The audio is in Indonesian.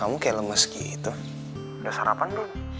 udah sarapan belum